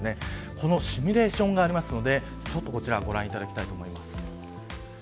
そのシミュレーションがありますのでこちらをご覧いただきたいと思います。